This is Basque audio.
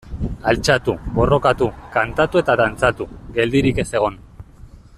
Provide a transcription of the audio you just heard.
Altxatu, borrokatu, kantatu eta dantzatu, geldirik ez egon.